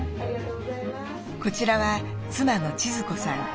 こちらは妻の千壽子さん。